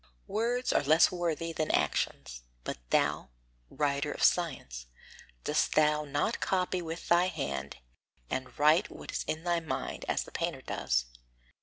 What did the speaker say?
Words are less worthy than actions. But thou, writer of science, dost thou not copy with thy hand, and write what is in thy mind, as the painter does?